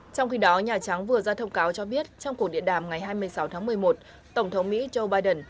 trong khi đó nhà trắng vừa ra thông cáo cho biết trong cuộc điện đàm ngày hai mươi sáu tháng một mươi một tổng thống mỹ joe biden